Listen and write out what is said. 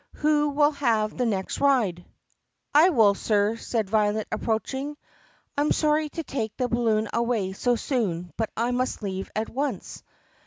Who will have the next ride*?" "I will, sir," said Violet approaching. "I am sorry to take the balloon away so soon but I must leave at once."